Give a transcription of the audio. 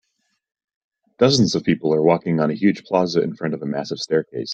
Dozens of people are walking on a huge plaza in front of a massive staircase.